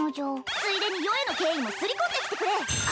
ついでに余への敬意もすり込んできてくれあ